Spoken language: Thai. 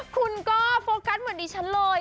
คุณก็โฟกัสเหมือนดิฉันเลย